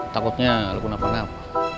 takutnya lo kena penap